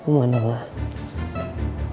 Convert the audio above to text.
kita mulai sing daripada sini